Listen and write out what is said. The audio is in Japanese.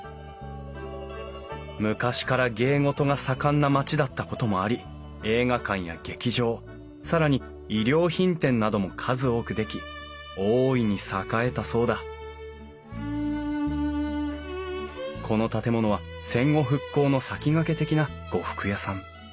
昔から芸事が盛んな町だったこともあり映画館や劇場更に衣料品店なども数多く出来大いに栄えたそうだこの建物は戦後復興の先駆け的な呉服屋さん。